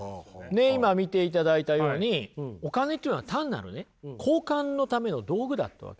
ねっ今見ていただいたようにお金っていうのは単なるね交換のための道具だったわけですよ。